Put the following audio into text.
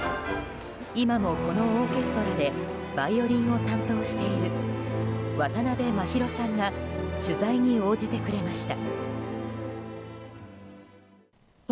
今も、このオーケストラでバイオリンを担当している渡邉真浩さんが取材に応じてくれました。